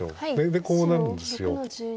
でこうなるんです恐らく。